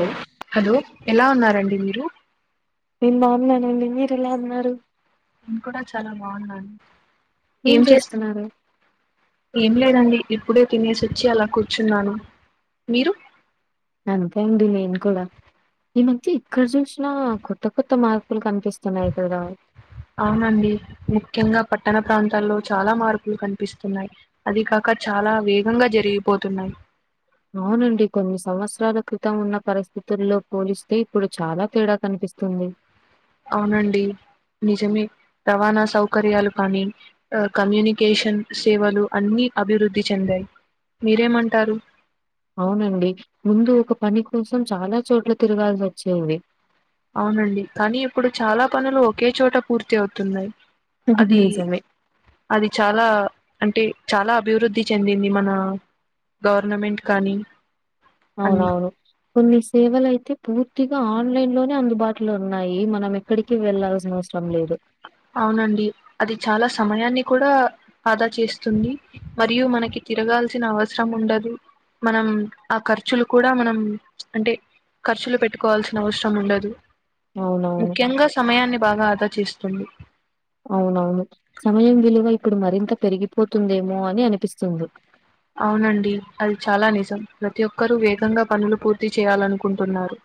ఓ hello ఎలా ఉన్నారండి మీరు నేను బావున్నానండి మీరు ఎలా ఉన్నారు నేను కూడా చాలా బావున్నాను ఏం చేస్త్ ఏం లేదండి ఇప్పుడే తినేసొచ్చి అలా కూర్చున్నాను మీరు అంతే అండి నేను కూడా ఈ మధ్య ఇక్కడ చూసినా కొత్త కొత్త మార్పులు కనిపిస్తున్నాయి కదా అవునండి ముఖ్యంగా పట్టణ ప్రాంతాల్లో చాలా మార్పులు కన్పిస్తున్నాయి అదీ కాక చాలా వేగంగా జరిగిపోతున్నాయి అవునండి కొన్ని సంవత్సరాల క్రితం ఉన్న పరిస్థితుల్లో పోలిస్తే ఇప్పుడు చాలా తేడా కనిపిస్తుంది అవునండి నిజమే రవాణా సౌకర్యాలు కానీ ఆ కమ్యూనికేషన్ సేవలు అన్నీ అభివృద్ధి చెందాయి మీరేం అంటారు అవునండి ముందు ఒక పని కోసం చాలా చోట్ల తిరగాల్సి వచ్చేది అవునండి కానీ ఇప్పుడు చాలా పనులు ఒకే చోట పూర్తి అవుతున్నాయి అది నిజమే. అది చాలా అంటే చాలా అభివృద్ధి చెందింది మన గవర్నమెంట్ కానీ అన్ని అవునవును కొన్ని సేవలు అయితే పూర్తిగా ఆన్లైన్ లోనే అందుబాటులో ఉన్నాయి మనం ఎక్ క్కడికి వెళ్లాల్సిన అవసరం లేదు అవునండి అది చాలా సమయాన్ని కూడా ఆదా చేస్తుంది మరియు మనకి తిరగాల్సిన అవసరం ఉండదు మనం ఆ ఖర్చులు కూడా మనం అంటే ఖర్చులు పెట్ ట్టుకోవాల్సిన అవసరం ఉండదు అవునవును. ముఖ్యంగా సమయాన్ని బాగా ఆదా చేస్తుంది అవునవును సమయం విలువ ఇప్పుడు మరింత పెరిగిపోతుందేమో అని అనిపిస్తుంది. అవునండి అది చాలా నిజం ప్రతి ఒక్కరు వేగంగా పనులు పూర్తి చేయాలనుకుంటున్నారు.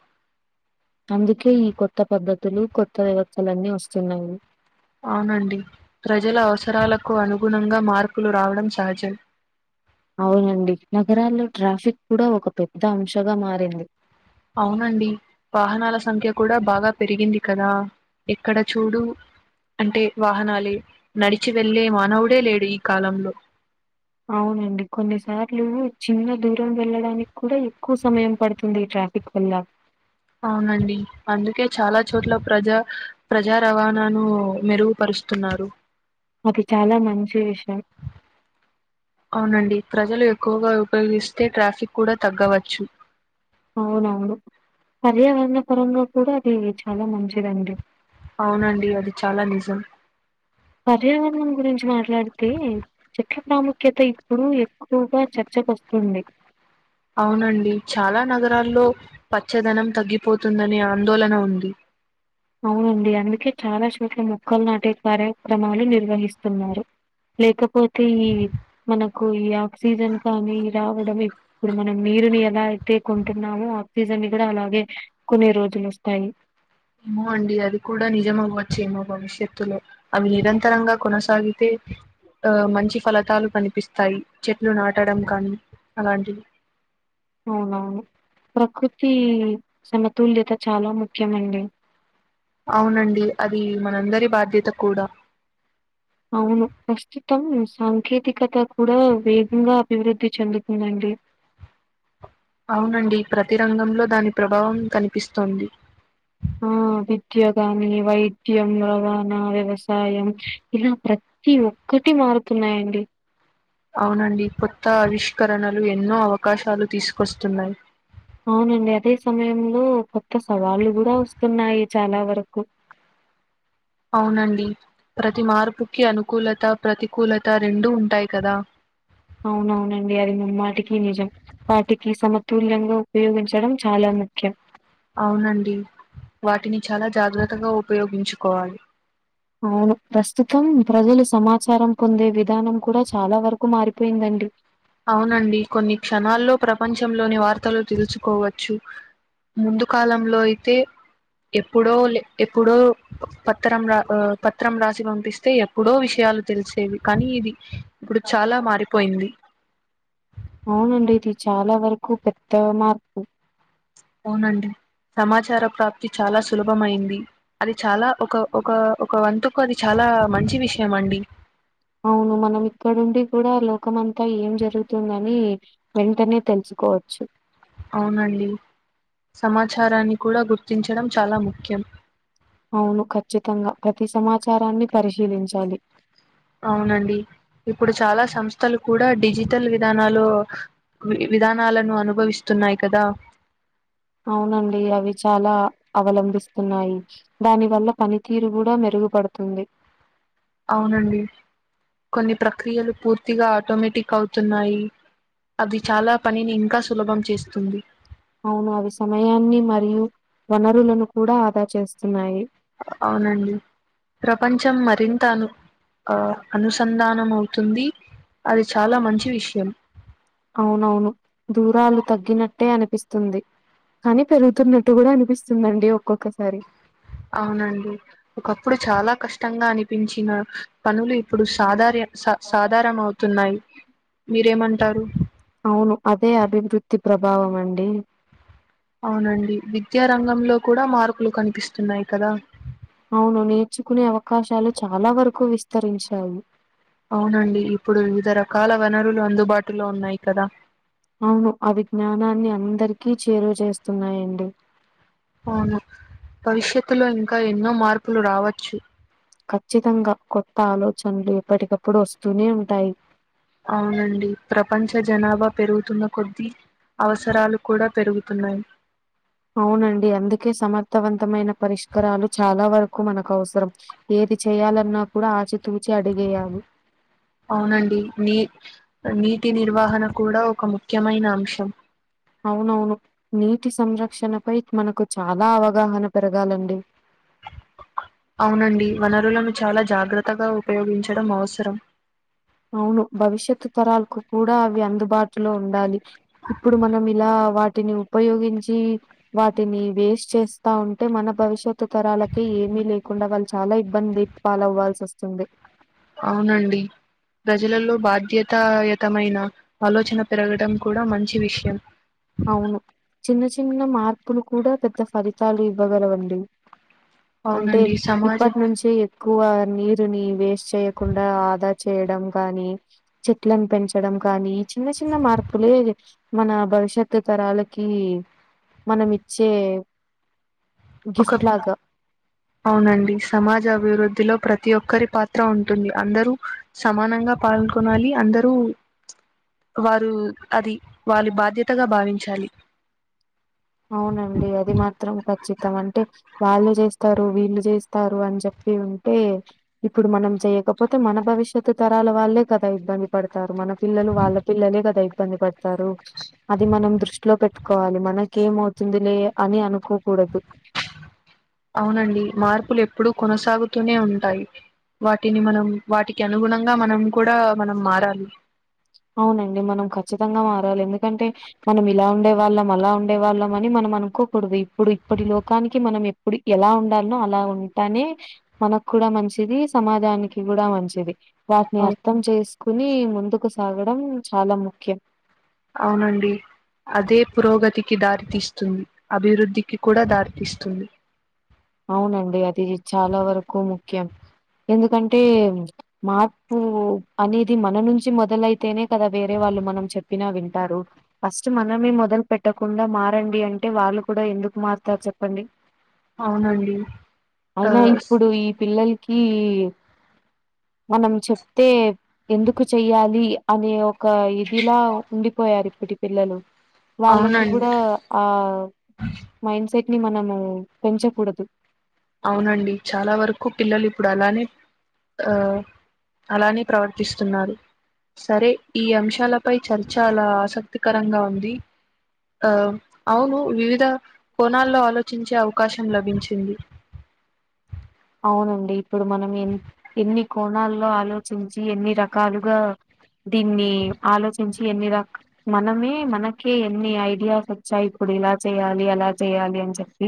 అందుకే ఈ కొత్త పద్ధతులు కొత్త వ్యవచ్చలన్నీ వస్తున్నాయి అవునండి ప్రజల అవసరాలకు అనుగుణంగా మార్పులు రావడం సహజం. అవునండి నగరాల్లో ట్రాఫిక్ కూడా ఒక పెద్ద అంశగా మారింది అవునండి వాహనాల సంఖ్య కూడా బాగా పెరిగింది కదా ఎక్కడ చూడు అంటే వాహనాలే నడిచి వెళ్లే మానవుడే లేడు ఈ కాలంలో అవునండి కొన్నిసార్లు చిన్న దూరం వెళ్ళడానికి కూడా ఎక్కువ సమయం పడుతుంది ఈ ట్రాఫిక్ వల్ల అవునండి అందుకే చాలా చోట్ల ప్రజా ప్రజా రవాణాను మెరుగుపరుస్తున్నారు. అది చాలా మంచి విషయం అవునండి ప్రజలు ఎక్కువగా ఉపయోగిస్తే ట్రాఫిక్ కూడా తగ్గవచ్చు అవునవును పర్యావరణ పరంగా కూడా అది చాలా మంచిదండి అవునండి అది చాలా నిజం పర్యావరణం గురించి మాట్లాడితే చెట్ల ప్రాముఖ్యత ఇప్పుడు ఎక్కువగా చర్చకు ఒస్తుంది అవునండి చాలా నగరాల్లో పచ్చదనం తగ్గిపోతుందనే ఆందోళన ఉంది అవునండి అందుకే చాలా చోట్ల మొక్కలు నాటే కార్యక్రమాలు నిర్వహిస్తున్నారు. లేకపోతే ఈ మనకు ఈ ఆక్సిజన్ కానీ రావడం ఇ ఇప్పుడు మనం నీరుని ఎలా అయితే కొంటున్నామో ఆక్సీజన్ ని కూడా అలాగే కొనే రోజులు ఒస్తాయి. ఏమో అండి అది కూడా నిజమవ్వచ్చేమో భవిష్యత్తులో అవి నిరంతరంగా కొనసాగితే ఆ మంచి ఫలతాలు కనిపిస్తాయి చెట్లు నాటడం కానీ అలాంటివి అవునవును ప్రకృతీ సమతుల్యత చాలా ముఖ్యమండి అవునండి అది మనందరి బాధ్యత కూడా అవును ప్రస్తుతం సాంకేతికత కూడా వేగంగా అభివృద్ధి చెందుతుందండి అవునండి ప్రతి రంగంలో దాని ప్రభావం కనిపిస్తోంది. ఆ విద్య కాని వైద్యం [unintelligible] వ్యవసాయం ఇలా ప్ర తి ఒక్కటి మారుతున్నాయండి అవునండి కొత్త ఆవిష్కరణలు ఎన్నో అవకాశాలు తీసుకొస్తున్నాయి అవునండి అదే సమయంలో కొత్త సవాళ్ళు గూడా వస్తున్నాయి చాలా వరకు అవునండి ప్రతి మార్పుకి అనుకూలత ప్రతికూలత రెండు ఉంటాయి కదా అవునవునండి అది ముమ్మాటికి నిజం వాటికి సమతుల్యంగా ఉపయోగించడం చాలా ముఖ్యం అవునండి వాటిని చాలా జాగ్రత్తగా ఉపయోగించుకోవాలి అవును ప్రస్తుతం ప్రజలు సమాచారం పొందే విధానం కూడా చాలా వరకు మారిపోయిందండి. అవునండి కొన్ని క్షణాల్లో ప్రపంచంలోని వార్తలు తెలుసుకోవచ్చు ముందు కాలంలో అయితే ఎప్పుడో లె ఎప్పుడో పత్రం రా ఆ పత్రం రాసి పంపిస్తే ఎప్పుడో విషయాలు తెలిసేవి కానీ ఇది ఇప్పుడు చాలా మారిపోయింది అవునండి ఇది చాలా వరకు పెద్ద మార్పు అవునండి సమాచార ప్రాప్తి చాలా సులభమయింది అది చాలా ఒక ఒక ఒక వంతుకు అది చాలా మంచి విషయం అండి అవును మనం ఇక్కడుండి కూడా లోకం అంతా ఏం జరుగుతుందనీ వెంటనే తెలుసుకోవచ్చు అవునండి సమాచారాన్ని కూడా గుర్తించడం చాలా ముఖ్యం అవును ఖచ్చితంగా ప్రతి సమాచారాన్ని పరిశీలించాలి అవునండి ఇప్పుడు చాలా సంస్థలు కూడా డిజిటల్ విధానాలు వి విధానాలను అనుభవిస్తున్నాయి కదా అవునండి అవి చాలా అవలంబిస్తున్నాయి దాని వల్ల పనితీరు గూడ మెరుగుపడుతుంది అవునండి కొన్ని ప్రక్రియలు పూర్తిగా ఆటోమేటిక్ అవుతున్నాయి అది చాలా పనిని ఇంకా సులభం చేస్తుంది అవును అవి సమయాన్ని మరియు వనరులను కూడా ఆదా చేస్తున్నాయి అవునండి ప్రపంచం మరింత అను ఆ అనుసంధానం అవుతుంది అది చాలా మంచి విషయం అవునవును దూరాలు తగ్గినట్టే అనిపిస్తుంది కాని పెరుగుతున్నట్టు గూడ అనిపిస్తుందండి ఒక్కొక్కసారి అవునండి ఒకప్పుడు చాలా కష్టంగా అనిపించిన పనులు ఇప్పుడు సాధారియ స సాధారం అవుతున్నాయి మీరేమంటారు అవును అదే అభివృద్ధి ప్రభావం అండి అవునండి విద్యారంగంలో కూడ మార్పులు కనిపిస్తున్నాయి కదా అవును నేర్చుకునే అవకాశాలు చాలా వరకు విస్తరించాయి అవునండి ఇప్పుడు వివిధ రకాల వనరులు అందుబాటులో ఉన్నాయి కదా అవును ఆ విజ్ఞానాన్ని అందరికి చేరువ చేస్తున్నాయండి అవును భవిష్యత్తులో ఇంకా ఎన్నో మార్పులు రావచ్చు ఖచ్చితంగా కొత్త ఆలోచనలు ఎప్పటికప్పుడు వస్తూనే ఉంటాయి అవునండి ప్రపంచ జనాభా పెరుగుతున్న కొద్ది అవసరాలు కూడా పెరుగుతున్నాయి అవునండి అందుకే సమర్థవంతమైన పరిష్కరాలు చాలా వరకు మనకు అవసరం ఏది చేయ్యాలన్నా కూడా ఆచితూచి అడుగేయాలి అవునండి నీ నీటి నిర్వహన కూడా ఒక ముఖ్యమైన అంశం అవునవును నీటి సంరక్షణ పై మనకు చాలా అవగాహన పెరగాలండి అవునండి వనరులను చాలా జాగ్రత్తగా ఉపయోగించడం అవసరం అవును భవిష్యత్తు తరాలకు కూడా అవి అందుబాటులో ఉండాలి ఇప్పుడు మనం ఇలా వా టిని ఉపయోగించి వాటిని వేస్ట్ చేస్తా ఉంటే మన భవిష్య త్తు తరాలకి ఏమీ లేకుండా వాళ్ళు చాలా ఇబ్బంది పాలు అవల్సివస్తుంది అవునండి ప్రజలలో బాధ్యతా యతమైన ఆలోచన పెరగడం కూడా మంచి విషయం అవును చిన్న చిన్న మార్పులు కూడా పెద్ద ఫలితాలు ఇవ్వగలవండి అంటే అవునండి ఇప్పటి సమాజం నుంచి ఎక్కువా నీరుని వేస్ట్ చేయకుండా ఆదా చేయడం కానీ చెట్లను పెంచడం కానీ ఈ చిన్న చిన్న మార్పులే మన భవిష్యత్ కొత్త తరాలకి మనం ఇచ్చే గిఫ్ట్ ఒక లాగా అవునండి సమాజ అభివృద్ధిలో ప్రతి ఒక్కరి పాత్ర ఉంటుంది అందరూ సమానంగా పాల్గొనాలి అందరూ వారు అది వాళ్ళీ బాధ్యతగా భావించాలి అవునండి అది మాత్రం ఖచ్చితమంటే వాళ్ళు చేస్తారు వీళ్ళు చేస్తారు అని చెప్పి ఉంటే ఇప్పుడు మనం చెయకపోతే మన భవిష్యత్ తరాల వాళ్ళే కదా ఇబ్బంది పడతారు మన పిల్లలు వాళ్ళ పిల్లలే కదా ఇబ్బంది పడుతారు అది మనం దృష్టిలో పెట్టుకోవాలి మన కేమవుతుందిలే అని అనుకోకూడదు అవునండి మార్పులు ఎప్పుడూ కొనసాగుతూనే ఉంటాయి వాటిని మనం వాటికి అనుగుణంగా మనం కూడా మనం మారాలి అవునండి మనం ఖచ్చితంగా మారాలి ఎందుకంటే మనం ఇలా ఉండే వాళ్ళం అలా ఉండే వాళ్ళం అని మనం అనుకోకూడదు ఇప్పుడు ఇప్పటి లోకానికి మనం ఎప్పుడు ఎలా ఉండానో అలా ఉంటానే మనకు కూడా మంచిది సమాజానికి కూడా మంచిది వాటిని అవు అర్థం చేసుకుని ముందుకు సాగడం చాలా ముఖ్యం అవునండి అదే పురోగతికి దారితీస్తుంది అభివృద్ధికి కూడా దారితీస్తుంది అవునండి అది చాలా వరకు ముఖ్యం ఎందుకంటే మార్పు అనేది మన నుంచి మొదలైతేనే కదా వేరే వాళ్ళు మనం చెప్పినా వింటారు ఫస్ట్ మనమే మొదలు పెట్టకుండా మారండి అంటే వాళ్ళు కూడా ఎందుకు మారుతారు చెప్పండి అవునండి ఆ అయినా ఇప్పుడు ఈ పిల్లలు కి మనం చెప్తే ఎందుకు చెయ్యాలి అనే ఒక ఇదిలా ఉండిపోయారు ఇప్పటి పిల్లలు వాళ్ళకి అవునండి కూడా ఆ మైండ్ సెట్ని మనము పెంచకూడదు అవునండి చాలా వరకు పిల్లలు ఇప్పుడు అలానే ఆ అలానే ప్రవర్తిస్తున్నారు సరే ఈ అంశాలపై చర్చ అలా ఆసక్తికరంగా ఉంది ఆ అవును వివిధ కోణాల్లో ఆలోచించే అవకాశం లభించింది అవునండి ఇప్పుడు మనం ఎ ఎన్ని కోణాల్లో ఆలోచించి ఎన్ని రకాలుగా దీన్ని ఆలోచించి ఎన్ని రక మనమే మనకే ఎన్ని ఐడియాస్ వచ్చాయి ఇప్పుడు ఇలా చేయాలి అలా చేయాలి అని చెప్పి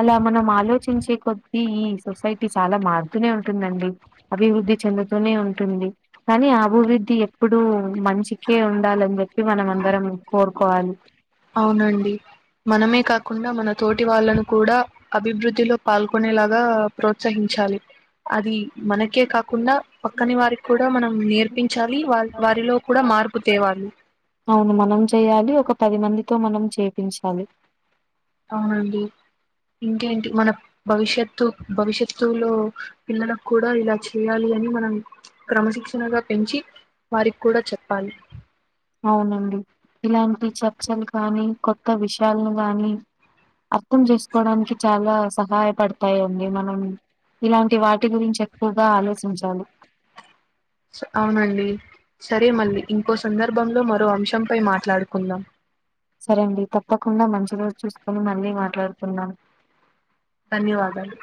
అలా మనం ఆలోచించే కొద్దీ ఈ సొసైటీ చాలా మారుతూనే ఉంటుందండి అభివృద్ధి చెందుతూనే ఉంటుంది కానీ అభివృద్ధి ఎప్పుడు మంచికే ఉండాలని చెప్పి మనం అందరం కోరుకోవాలి అవునండి మనమే కాకుండా మన తోటి వాళ్ళను కూడా అభివృద్ధిలో పాల్గొనేలాగా ప్రోత్సహించాలి అది మనకే కాకుండా పక్కని వారికి కూడా మనం నేర్పించాలి వా వారిలో కూడా మార్పు తేవాలి అవును మనం చేయాలి ఒక పది మందితో మనం చేపించాలి అవునండి ఇంకేంటి మన భవిష్యత్తు భవిష్యత్తులో పిల్లలక్కూడా ఇలా చేయాలి అని మనం క్రమశిక్షణగా పెంచి వారికి కూడా చెప్పాలి అవునండి ఇలాంటి చర్చలు కానీ కొత్త విషయాలను గానీ అర్థం చేసుకోవడానికి చాలా సహాయపడతాయండి మనం ఇలాంటి వాటి గురించి ఎక్కువగా ఆలోచించాలి అవునండి సరే మళ్ళీ ఇంకో సందర్భంలో మరో అంశంపై మాట్లాడుకుందాం సరే అండి తప్పకుండా మంచి రోజు చూసుకొని మళ్ళీ మాట్లాడుకుదం ధన్యవాదాలు